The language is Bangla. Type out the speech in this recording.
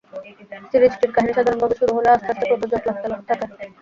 সিরিজটির কাহিনী সাধারণভাবে শুরু হলেও আস্তে আস্তে প্রচুর জট লাগতে থাকে।